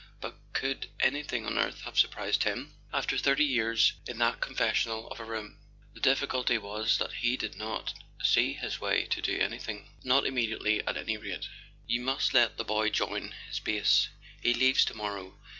But could anything on earth have surprised him, after thirty years in that confes¬ sional of a room ? The difficulty was that he did not see his way to doing anything—not immediately, at any rate. "You must let the boy join his base. He leaves to¬ morrow?